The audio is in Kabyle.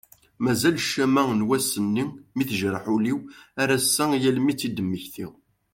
Mazal ccama n wass-nni mi tejreḥ ul-iw ar ass-a yal mi ad d-mmektiɣ.